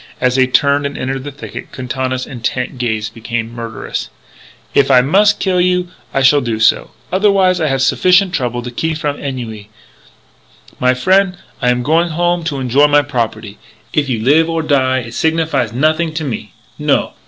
As they turned and entered the thicket, Quintana's intent gaze became murderous. "If I mus' kill you I shall do so. Otherwise I have sufficient trouble to keep me from ennui. My frien', I am going home to enjoy my property. If you live or die it signifies nothing to me. No!